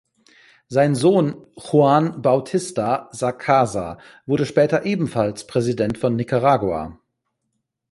Sein Sohn Juan Bautista Sacasa wurde später ebenfalls Präsident von Nicaragua.